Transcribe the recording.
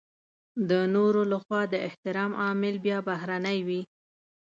د نورو لخوا د احترام عامل بيا بهرنی وي.